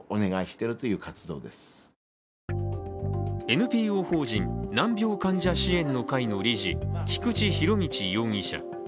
ＮＰＯ法人難病患者支援の会の理事菊池仁達容疑者。